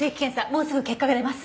もうすぐ結果が出ます。